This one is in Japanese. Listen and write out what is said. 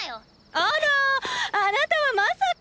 あらァあなたはまさか！